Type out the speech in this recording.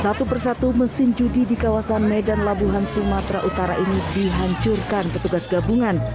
satu persatu mesin judi di kawasan medan labuhan sumatera utara ini dihancurkan petugas gabungan